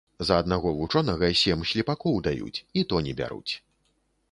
За аднаго вучонага сем слепакоў даюць, і то не бяруць